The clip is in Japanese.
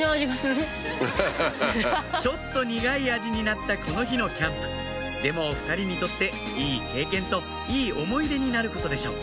ちょっと苦い味になったこの日のキャンプでも２人にとっていい経験といい思い出になることでしょう